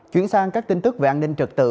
chuyển sang các tin tức về an ninh trật tự